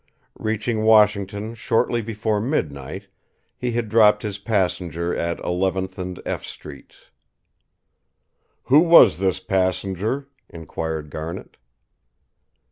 Reaching Washington shortly before midnight, he had dropped his passenger at Eleventh and F streets. "Who was this passenger?" inquired Garnet.